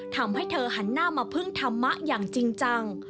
ทำให้เธอหันหน้ามาพึ่งธรรมะอย่างจริงจัง